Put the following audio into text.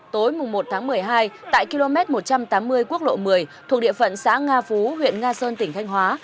tối một tháng một mươi hai tại km một trăm tám mươi quốc lộ một mươi thuộc địa phận xã nga phú huyện nga sơn tỉnh thanh hóa